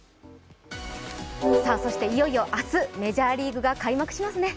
いよいよ明日、メジャーリーグが開幕しますね。